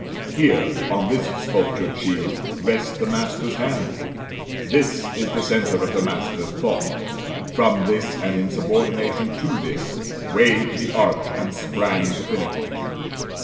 Here, on this sculptured shield, rests the Master's hand; this is the centre of the Master's thought; from this, and in subordination to this, waved the arch and sprang the pinnacle.